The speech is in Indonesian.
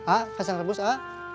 a kacang rebus a